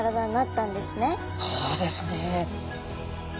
そうですね。